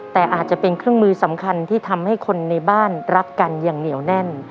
แต่อาจจะเป็นเครื่องมือสำคัญที่ทำให้คนในบ้านรักกันอย่างเหนียวแน่น